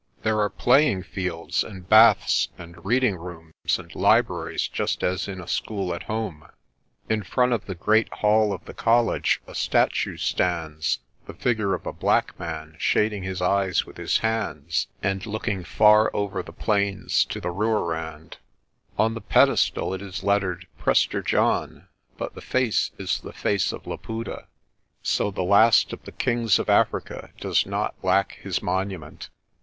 There are playing fields and baths and reading rooms and libraries just as in a school at home. In front of the great hall of the college a statue stands, the figure of a black man shading his eyes with his hands and looking far over the UNCLE'S GIFT MULTIPLIED 271 plains to the Rooirand. On the pedestal it is lettered "Prester John," but the face is the face of Laputa. So the last of the kings of Africa does not lack his monument.